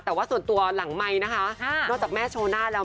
แต่ว่าส่วนตัวหลังไมค์นะคะนอกจากแม่โชว์หน้าแล้ว